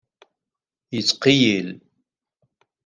Yettqeyyil.